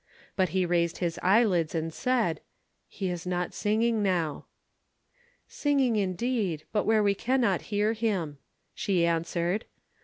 But he raised his eyelids, and said, "He is not singing now." "Singing indeed, but where we cannot hear him," she answered.